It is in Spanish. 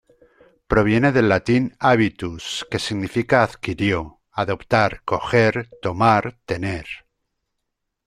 Proviene del latín "habitus" que significa adquirió, adoptar, coger, tomar, tener.